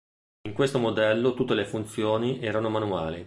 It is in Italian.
In questo modello tutte le funzioni erano manuali.